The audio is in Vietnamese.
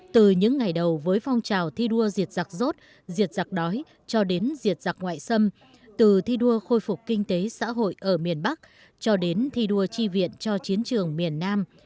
từ những ngày đầu với phong trào thi đua diệt giặc rốt diệt giặc đói cho đến diệt giặc ngoại xâm từ thi đua khôi phục kinh tế xã hội ở miền bắc cho đến thi đua tri viện cho chiến trường miền nam